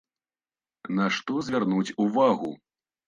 На што звярнуць увагу?